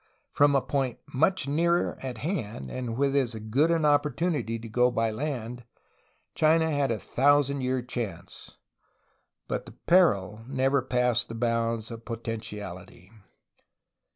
From a point much nearer at hand and with as good an opportunity to go by land, China had a thousand year chance. But the "peril" never passed the bounds of potentiality.